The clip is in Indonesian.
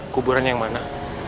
kuburannya yang mana